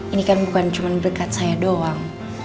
ini kan bukan cuma berkat saya doang